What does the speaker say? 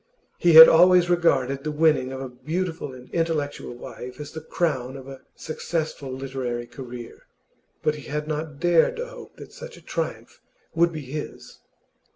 He had always regarded the winning of a beautiful and intellectual wife as the crown of a successful literary career, but he had not dared to hope that such a triumph would be his.